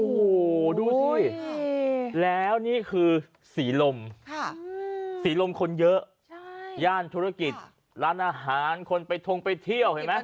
โอ้โหดูสิแล้วนี่คือศรีลมศรีลมคนเยอะย่านธุรกิจร้านอาหารคนไปทงไปเที่ยวเห็นไหม